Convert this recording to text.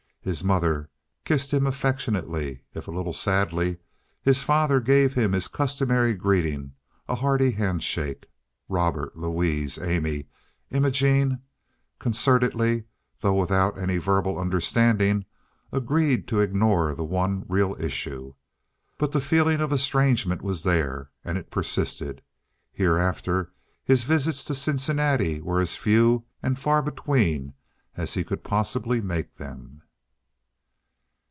His mother kissed him affectionately, if a little sadly; his father gave him his customary greeting, a hearty handshake; Robert, Louise, Amy, Imogene, concertedly, though without any verbal understanding, agreed to ignore the one real issue. But the feeling of estrangement was there, and it persisted. Hereafter his visits to Cincinnati were as few and far between as he could possibly make them.